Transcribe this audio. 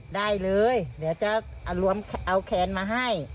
ได้เลยเดี๋ยวจะรวมเอาแคนมาให้